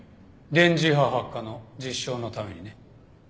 電磁波発火の実証のためにね。